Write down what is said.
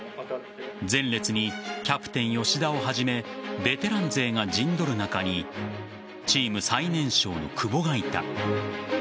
前列にキャプテン吉田をはじめベテラン勢が陣取る中にチーム最年少の久保がいた。